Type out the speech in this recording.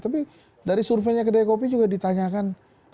tapi dari surveinya kb prizik juga ditanyakan